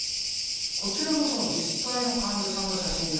こちらがその実際の患者さんの写真ですね。